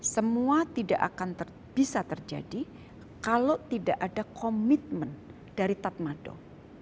semua tidak akan bisa terjadi kalau tidak ada komitmen dari tatmado